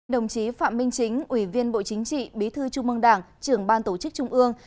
đồng chí phạm minh chính ủy viên bộ chính trị bí thư trung mương đảng trưởng ban tổ chức trung ương